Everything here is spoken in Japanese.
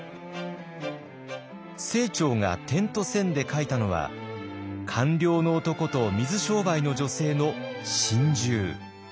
清張が「点と線」で書いたのは官僚の男と水商売の女性の心中。